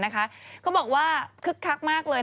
เขาบอกว่าคึกคักมากเลย